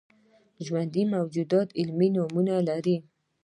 ژوندي موجودات علمي نومونه لري